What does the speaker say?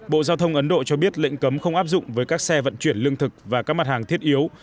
bộ giao thông ấn độ cho biết lệnh cấm không áp dụng với các xe vận chuyển lương thực và các mặt hàng thiết yếu